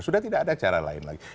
sudah tidak ada cara lain lagi